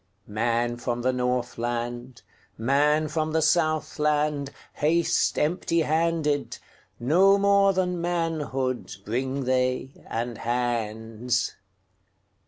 Man from the Northland, Man from the Southland, Haste empty handed; No more than manhoodBring they, and hands.